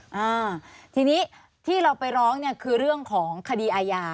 อ่าทีนี้ที่เราไปร้องเนี่ยคือเรื่องของคดีอาญา